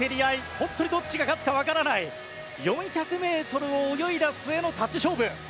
本当にどっちが勝つかわからない４００ｍを泳いだ末のタッチ勝負。